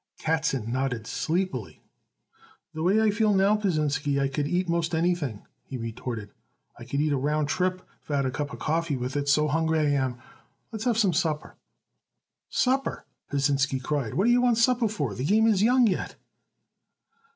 Katzen nodded sleepily. "The way I feel now, Pasinsky, I could eat most anything," he retorted. "I could eat a round trip, if I had a cup of coffee with it, so hungry I am. Let's have some supper." "Supper!" Pasinsky cried. "What do you want supper for? The game is young yet."